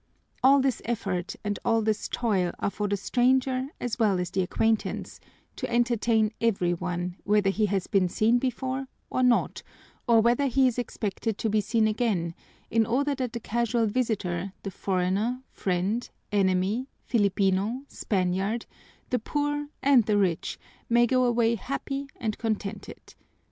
All this effort and all this toil are for the stranger as well as the acquaintance, to entertain every one, whether he has been seen before or not, or whether he is expected to be seen again, in order that the casual visitor, the foreigner, friend, enemy, Filipino, Spaniard, the poor and the rich, may go away happy and contented.